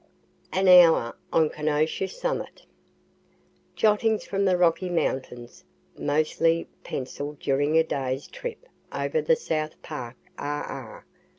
AN HOUR ON KENOSHA SUMMIT Jottings from the Rocky Mountains, mostly pencill'd during a day's trip over the South Park RR.